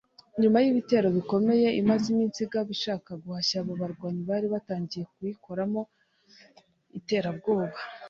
nyuma y’ibitero bikomeye imaze iminsi igaba ishaka guhashya aba barwanyi bari batangiye kuyikoramo iterabwoba